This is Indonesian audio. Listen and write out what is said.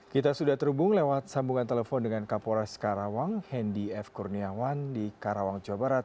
kita sudah terhubung lewat sambungan telepon dengan kapolres karawang hendy f kurniawan di karawang jawa barat